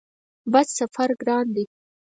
بس سفر ګران دی؟